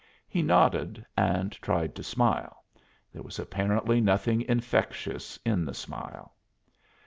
He nodded and tried to smile. There was apparently nothing infectious in the smile.